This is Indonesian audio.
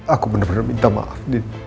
aku benar benar minta maaf